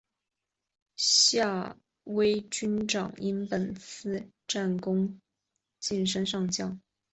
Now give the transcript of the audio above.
夏威军长因本次战功晋升上将。